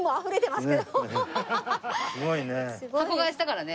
すごいね。